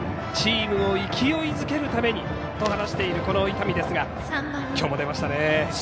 チームを勢いづけるためにと話しているこの伊丹ですがきょうも出ましたね。